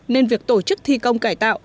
nên việc tổ chức thi công cải tạo